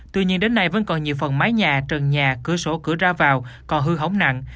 tuy nhiên đến nay vẫn còn nhiều phần mái nhà trần nhà cửa sổ cửa ra vào còn hư hỏng nặng